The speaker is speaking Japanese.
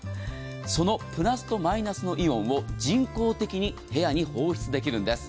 そのプラスとマイナスのイオンを人工的に部屋に放出できるんです。